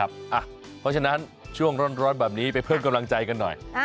เพราะฉะนั้นช่วงร้อนแบบนี้ไปเพิ่มกำลังใจกันหน่อย